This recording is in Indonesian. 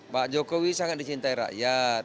pak jokowi sangat dicintai rakyat